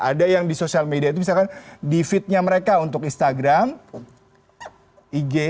ada yang di sosial media itu misalkan di feednya mereka untuk instagram ig